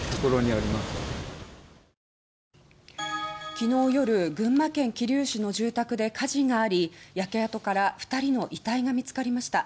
昨日夜、群馬県桐生市の住宅で火事があり焼け跡から２人の遺体が見つかりました。